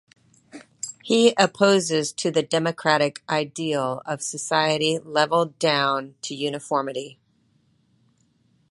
He opposes to the democratic ideal of society levelled down to uniformity.